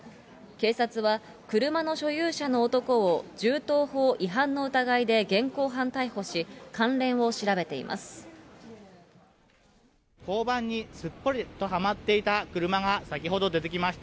警察は、車の所有者の男を銃刀法違反の疑いで現行犯逮捕し、関連を調べています。